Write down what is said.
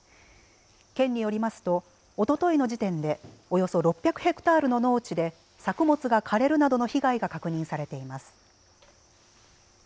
県によりますとおとといの時点でおよそ６００ヘクタールの農地で作物が枯れるなどの被害が確認されています。